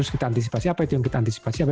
kita antisipasi apa itu yang kita antisipasi